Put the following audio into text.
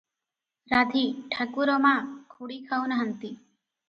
ରାଧୀ - ଠାକୁର ମା, ଖୁଡ଼ି ଖାଉ ନାହାନ୍ତି ।